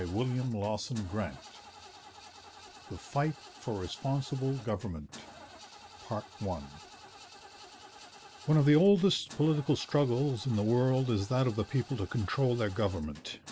CHAPTER IV THE FIGHT FOR RESPONSIBLE GOVERNMENT One of the oldest political struggles in the world is that of the people to control their government.